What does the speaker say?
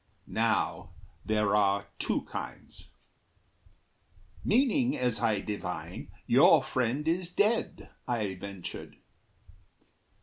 Now there are two kinds." "Meaning, as I divine, Your friend is dead," I ventured.